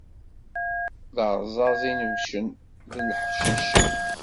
D arẓaz inebbcen deg leḥcic.